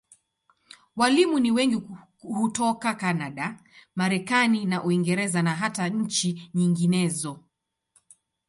Walimu ni wengi hutoka Kanada, Marekani na Uingereza, na hata nchi nyinginezo.